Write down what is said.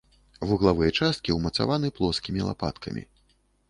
Вуглавыя часткі ўмацаваны плоскімі лапаткамі.